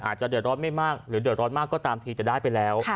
อาจจะเดือดร้อนไม่มากหรือเดือดร้อนมากก็ตามทีจะได้ไปแล้ว